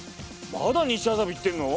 まだ西麻布行ってるの？